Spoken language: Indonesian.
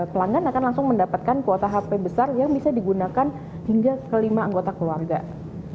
pelanggan akan langsung mendapatkan kuota hp besar yang bisa digunakan hingga kelima anggota keluarga